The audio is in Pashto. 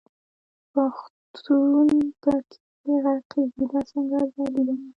پښتون په کښي غرقېږي، دا څنګه ازادي ده.